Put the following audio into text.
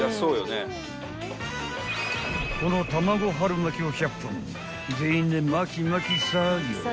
［この卵春巻きを１００本全員で巻き巻き作業］